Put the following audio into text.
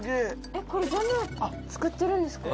「これ全部作ってるんですか？」